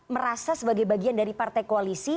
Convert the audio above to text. merasa sebagai bagian dari partai koalisi